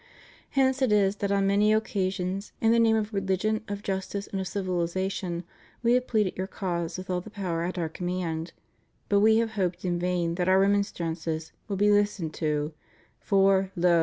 Hence it is that on many occasions, in the name of religion, of justice, and of civiUzation, We have pleaded your cause with all the power at Our command; but We have hoped in vain that Our remonstrances would be listened to; for, lo!